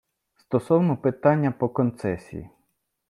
Стосовно питання по концесії.